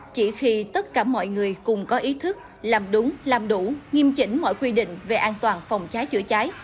chỉ khi tất cả mọi người cùng có ý thức làm đúng làm đủ nghiêm chỉnh mọi quy định về an toàn phòng cháy chữa cháy